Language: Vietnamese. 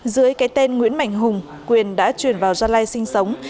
dưới cái tên nguyễn mạnh hùng quyền đã chuyển vào gia lai sinh sống